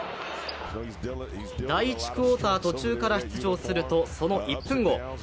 第１クオーター途中から出場するとその１分後。